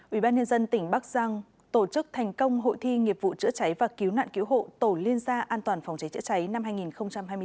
ủy ban nhân dân tỉnh bắc giang tổ chức thành công hội thi nghiệp vụ chữa trái và cứu nạn cứu hộ tổ liên gia an toàn phòng trái chữa trái năm hai nghìn hai mươi bốn